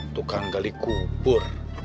tukang kali kubur